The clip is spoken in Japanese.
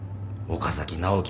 岡崎直樹